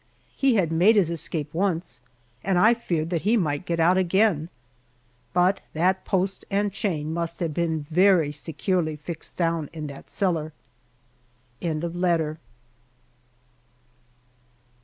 He had made his escape once, and I feared that he might get out again. But that post and chain must have been very securely fixed down in that cellar.